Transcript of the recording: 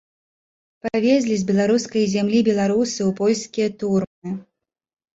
Павезлі з беларускай зямлі беларусаў у польскія турмы.